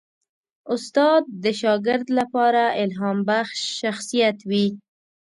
استاد د شاګرد لپاره الهامبخش شخصیت وي.